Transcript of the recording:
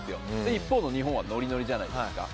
一方の日本はノリノリじゃないですか。